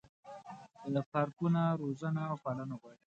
پارکونه روزنه او پالنه غواړي.